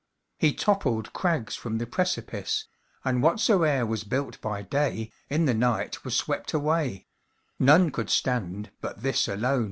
He toppled crags from the precipice, And whatsoe'er was built by day In the night was swept away; None could stand but this alone.